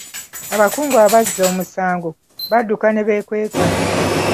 Abakungu abazza omusango badduka ne beekweka.